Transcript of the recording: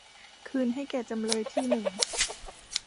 คืนให้แก่จำเลยที่หนึ่ง